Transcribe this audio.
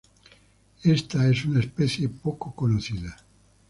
Esta es una especie poco conocida.